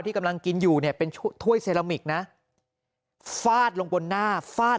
ที่กำลังกินอยู่แล้วทุ่ยเสรรานมิคนะฟาดลงบนหน้าฟาด